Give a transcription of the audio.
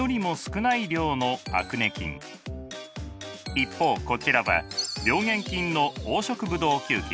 一方こちらは病原菌の黄色ブドウ球菌。